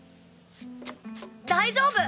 大丈夫！